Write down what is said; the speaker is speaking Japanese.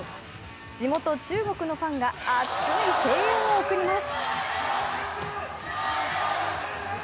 地元・中国のファンが熱い声援を送ります。